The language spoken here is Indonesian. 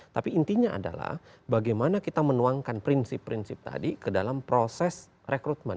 tapi intinya adalah bagaimana kita menuangkan prinsip prinsip tadi ke dalam proses rekrutmen